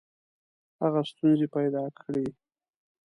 هغه ستونزي پیدا کړې.